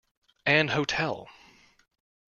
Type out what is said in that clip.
An hotel.